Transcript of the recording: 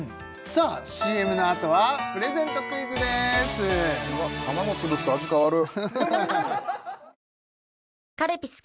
ＣＭのあとはプレゼントクイズですわっ卵潰すと味変わる！